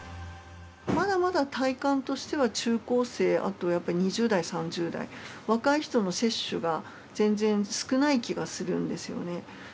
まだまだ体感としては中高生、あとやっぱり２０代、３０代、若い人の接種が全然少ない気がするんですよね。